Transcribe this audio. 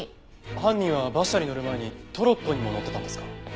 犯人は馬車に乗る前にトロッコにも乗ってたんですか？